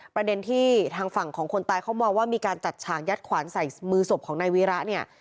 ประเด็นที่ทางฝั่งของคนตายเขามองว่ามีการจัดฉากยัดขวานใส่มือศพของนายวีระเนี่ย